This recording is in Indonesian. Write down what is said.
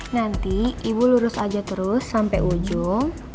nanti ibu lurus aja terus sampai ujung